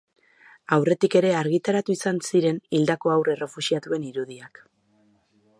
Aurretik ere argitaratu izan ziren hildako haur errefuxiatuen irudiak.